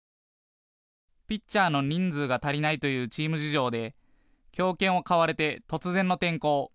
ピッチャーの人数が足りないというチーム事情で強肩を買われて突然の転向。